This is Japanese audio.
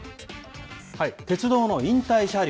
鉄道の引退車両。